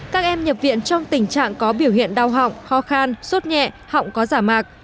các em nhập viện trong tình trạng có biểu hiện đau họng ho khan sốt nhẹ họng có giả mạc